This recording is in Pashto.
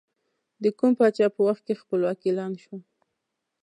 د کوم پاچا په وخت کې خپلواکي اعلان شوه؟